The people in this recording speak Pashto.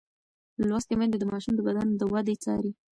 لوستې میندې د ماشوم د بدن د وده څاري.